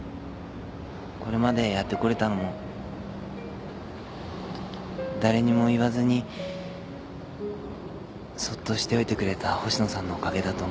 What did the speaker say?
これまでやってこれたのも誰にも言わずにそっとしておいてくれた星野さんのおかげだと思っています。